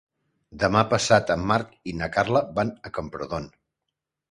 Demà passat en Marc i na Carla van a Camprodon.